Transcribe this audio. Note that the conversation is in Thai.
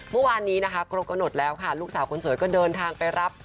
เมื่อวานนี้กรมกระหนดแล้วลูกสาวคนสวยก็เดินทางไปรับ